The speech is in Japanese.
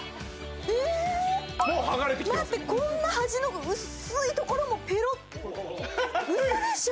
待ってこんな端のうっすいところもペロッウソでしょ？